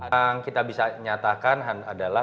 yang kita bisa nyatakan adalah